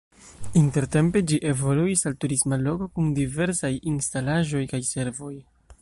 Intertempe ĝi evoluis al turisma loko kun diversaj instalaĵoj kaj servoj.